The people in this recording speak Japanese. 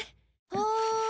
はい。